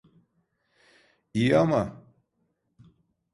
İyi ama…